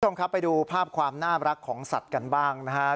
คุณผู้ชมครับไปดูภาพความน่ารักของสัตว์กันบ้างนะครับ